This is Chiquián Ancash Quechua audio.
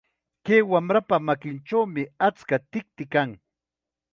Kay wamrapa makinchawmi achka tikti kan.